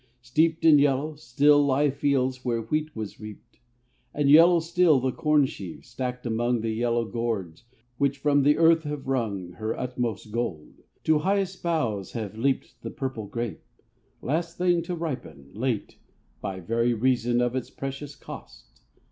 Steeped In yellow, still lie fields where wheat was reaped; And yellow still the corn sheaves, stacked among The yellow gourds, which from the earth have wrung Her utmost gold. To highest boughs have leaped The purple grape,—last thing to ripen, late By very reason of its precious cost.